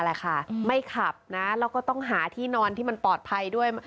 แหละค่ะไม่ขับนะแล้วก็ต้องหาที่นอนที่มันปลอดภัยด้วย